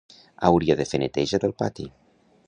Hauria de fer neteja del pati